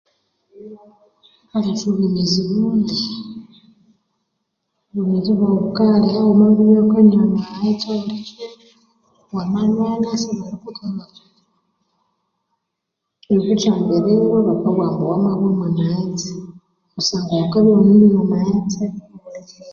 Erithunga obwamezi buli. Obwamezi bwawu bukaghaliha wamabya ighulwe ukanywa amaghetse obulikiro. Wamalhwalha sibalikutwalha okwithambiriro bakakabugha ambu wamahwa omwa maghetse kusangwa ukabya iwulhwe iwunimunywa amaghetse wabulikiro